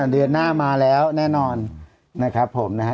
เดือนหน้ามาแล้วแน่นอนนะครับผมนะฮะ